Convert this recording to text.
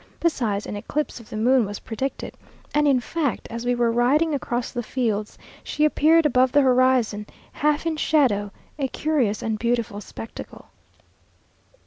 Besides an eclipse of the moon was predicted, and in fact, as we were riding across the fields, she appeared above the horizon, half in shadow, a curious and beautiful spectacle.